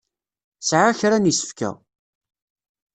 Sɛiɣ kra n yisefka.